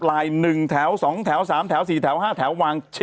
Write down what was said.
ลายหนึ่งแถวสองแถวสามแถวสี่แถวห้าแถววางไป